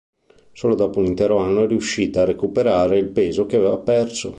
Solo dopo un intero anno è riuscita a recuperare il peso che aveva perso.